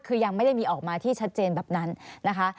คือยังไม่ได้มีออกมาที่ชัดเจนแบบนั้นนะคะ